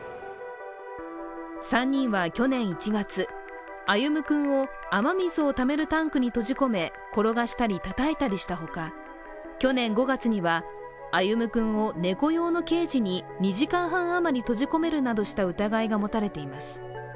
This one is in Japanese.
３人は去年１月、歩夢君を雨水をためるタンクに閉じ込め転がしたりたたいたりしたほか去年５月には歩夢君を猫用のケージに２時間半あまり閉じ込めるなどした疑いが持たれています。